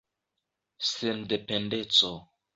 sendependeco